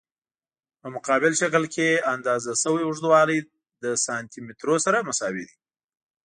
په مقابل شکل کې اندازه شوی اوږدوالی له سانتي مترو سره مساوي دی.